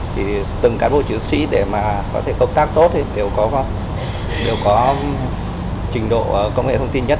thì từng cán bộ chữ c để mà có thể hợp tác tốt thì đều có trình độ công nghệ thông tin nhất